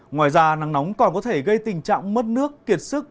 ngoài ra nắng nóng còn có thể gây tình trạng mất nước kiệt sức